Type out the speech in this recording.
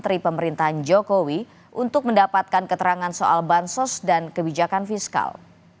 tim hukum ganjar pranoma fusil